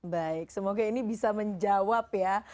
baik semoga ini bisa menjawab ya